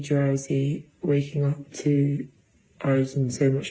เธอเล่าต่อนะครับบอกว่า